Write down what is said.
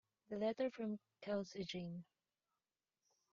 The letter from Kelsey Jane.